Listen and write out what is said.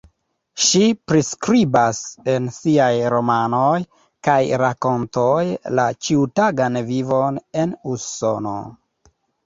Ŝi priskribas en siaj romanoj kaj rakontoj la ĉiutagan vivon en Usono.